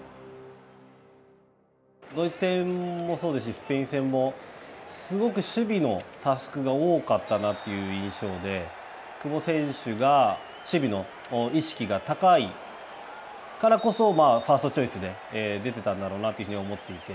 ドイツ戦もそうですし、スペイン戦もすごく守備のタスクが多かったなという印象で、久保選手が守備の意識が高いからこそ、ファーストチョイスで出てたんだろうなというふうには思っていて。